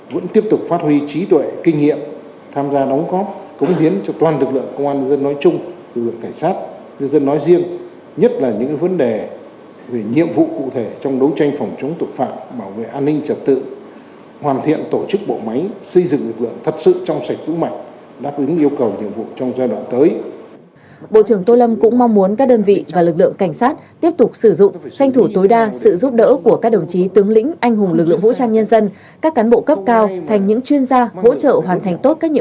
vẫn tiếp tục phát huy trí tuệ kinh nghiệm tham gia đóng góp công hiến cho toàn lực lượng công an dân nói chung lực lượng cảnh sát nhân dân nói riêng nhất là những vấn đề về nhiệm vụ cụ thể trong đấu tranh phòng chống tội phạm bảo vệ an ninh trật tự hoàn thiện tổ chức bộ máy xây dựng lực lượng thật sự trong sạch vũ mạnh đáp ứng yêu cầu nhiệm vụ trong giai đoạn tới